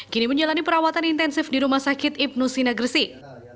kini menjalani perawatan intensif di rumah sakit ibnu sina gresik